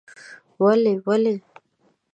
ولې؟ ولې؟؟؟ ….